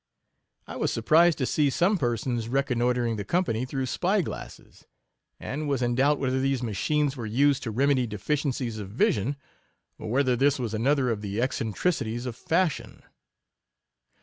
I was surprised to see some persons recon noitring the company through spy glasses ; and was in doubt whether these machines were used to remedy deficiencies of vision, or whether this was another of the eccentri cities of fashion.